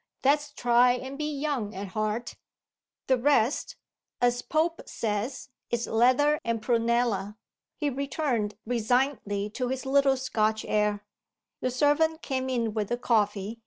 let's try and be young at heart. 'The rest' (as Pope says) 'is leather and prunella.'" He returned resignedly to his little Scotch air. The servant came in with the coffee.